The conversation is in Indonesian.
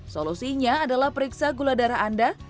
solusinya adalah periksa gula darah anda